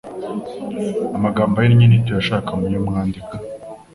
Amagambo ahinnye ntituyashaka muyo mwandika